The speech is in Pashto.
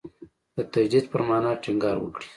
د تجدید پر معنا ټینګار وکړي.